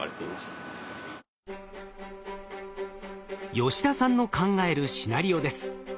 吉田さんの考えるシナリオです。